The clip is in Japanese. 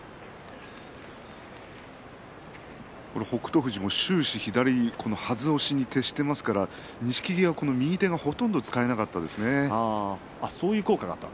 富士は終始、左はず押しに徹していますから錦木は右手のほとんど使えなかったですね。